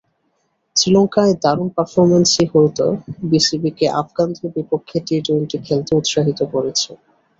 শ্রীলঙ্কায় দারুণ পারফরম্যান্সই হয়তো বিসিবিকে আফগানদের বিপক্ষে টি টোয়েন্টি খেলতে উৎসাহিত করেছে।